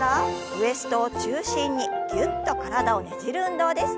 ウエストを中心にぎゅっと体をねじる運動です。